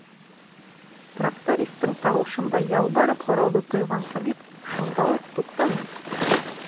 Трактористың тауышында ялбарып һорауҙы тойған Сабит шунда уҡ туҡтаны.